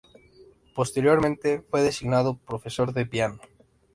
Posteriormente fue designado profesor de piano.